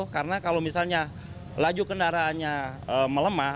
karena kalau misalnya laju kendaraannya melemah